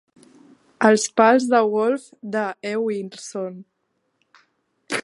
Els pals de golf de E. Wilson.